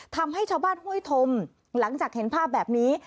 ทำให้ชาวบ้านห้วยธมหลังจากเห็นภาพแบบนี้